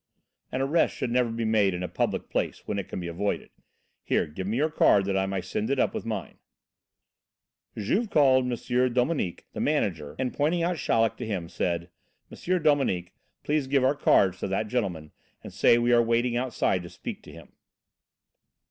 "An arrest should never be made in a public place when it can be avoided. Here, give me your card that I may send it up with mine." Juve called M. Dominique, the manager, and, pointing out Chaleck to him, said: "M. Dominique, please give our cards to that gentleman and say that we are waiting outside to speak to him."